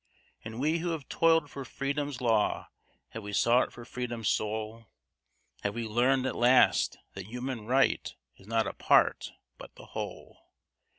And we who have toiled for freedom's law, have we sought for freedom's soul? Have we learned at last that human right is not a part but the whole?